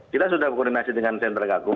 kita sudah koordinasi dengan senter agung